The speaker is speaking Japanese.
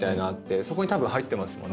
そこにたぶん入ってますもんね。